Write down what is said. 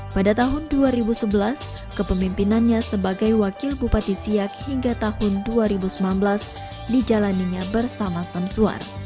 pada tahun dua ribu sebelas kepemimpinannya sebagai wakil bupati siak hingga tahun dua ribu sembilan belas dijalaninya bersama samsuar